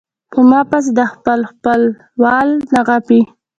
پۀ ما پسې د خپل خپل وال نه غاپي